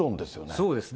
そうですね。